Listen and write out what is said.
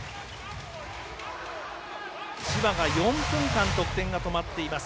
千葉が４分間得点が止まっています。